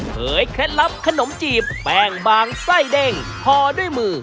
เคล็ดลับขนมจีบแป้งบางไส้เด้งห่อด้วยมือ